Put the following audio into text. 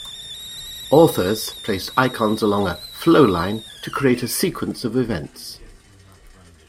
"Authors" placed icons along a "flowline" to create a sequence of events.